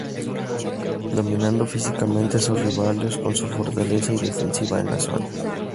Dominando físicamente a sus rivales con su fortaleza y defensiva en la zona.